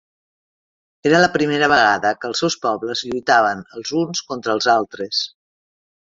Era la primera vegada que els seus pobles lluitaven els uns contra els altres.